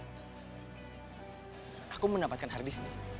kau mendapatkan harddisk nih